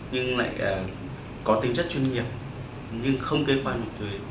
nhưng lại có tính chất chuyên nghiệp nhưng không kế hoạch mặt thuế